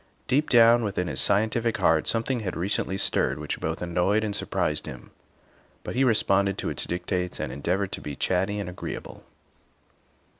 Deep down within his scientific heart something had recently stirred which both annoyed and surprised him, but he responded to its dictates and endeavored to be chatty and agreeable.